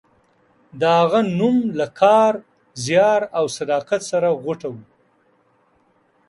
د هغه نوم له کار، زیار او صداقت سره غوټه و.